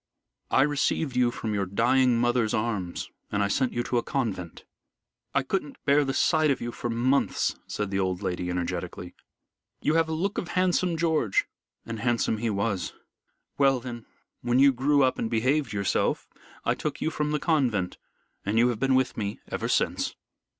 I received you from your dying mother's arms and I sent you to a convent. I couldn't bear the sight of you for months," said the old lady, energetically. "You have a look of handsome George, and handsome he was. Well then, when you grew up and behaved yourself, I took you from the convent, and you have been with me ever since."